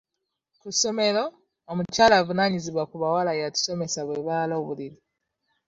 Ku ssomero omukyala avunaanyizibwa ku bawala yatusomesa bwe baala obuliri.